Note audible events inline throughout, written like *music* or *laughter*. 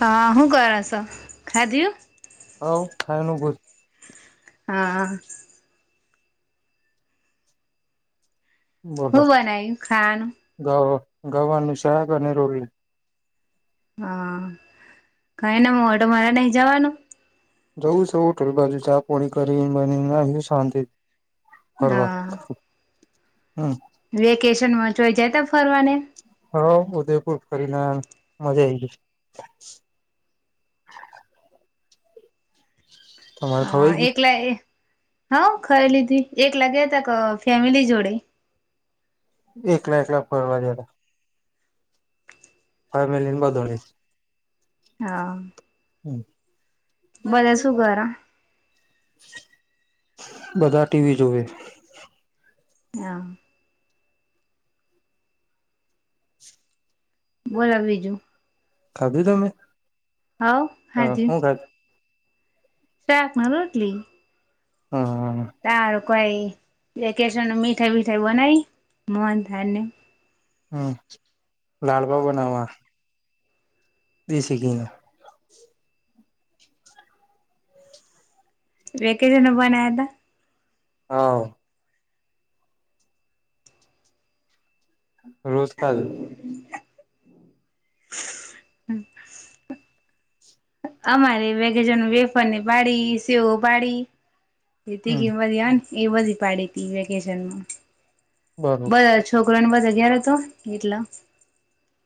હા, અ ક રહ છ ખાઈ દિ હ, ખાયનું બજ હા, હો બોલો બ નઈ ખાન ગવાની શહક અને રોલી હા, કઈને મોઢો મારે નહી જવાનું. જવું સ હોટલ બાજુ ચ પોણી કરી બની ના હ શાંત. ફ વાત રેકેેશ ચ હોય જતા ફરવાને હ, ઉદયપુર ફરી ના મજા આઈ ગઈ. તમારે ખવાઈ હ ગઈ એકલા હા, ખરી લીધી એક લાગ્યા હતા ફેમિલી જોડે. એકલા એકલા ફરવા દેલા ફમિલીને બદોળ છે. હા, હમ બલે સુું ઘાર બધા ટીવી જોવે. હ બોલા બીજું. ખાબી તમે હા હા હ જ હું ખાધું શેક ના રોટલી હ તાર કોઈ કેશ મીઠાઈ બીઠાઈ બનાય મન થાય ને હા લાડબવ બનાવા. બે શ ક ના વેકેશન બના્યા હતા. હા. રોજતા જ અ મારે વે એ જીની વેફરને પાડી સેવ પાડી. એ થી હમ હિમાર્યન એ બધી પાડી તી વેકેશનમાં. બરોબર બધા છોકરો ને બધા યાર તો એટલા.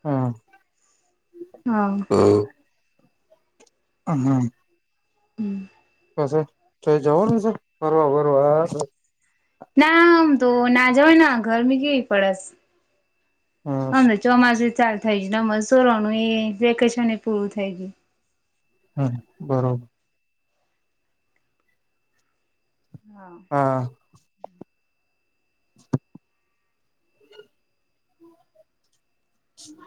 હા. હા. હ હા. હમ્મ. તો છે. તો જવા નો શે *inaudible* ના આમ તો ના જ હોય ના ઘરમી કેવી પડસ. હમ અને ચોમાશું ઈ ચાલ થઈ જ ન મશોરો નું એ વેકેશન એ પૂરું થઈ ગયું. હમ્મ, બરોબર. હા. *inaudible* હમ.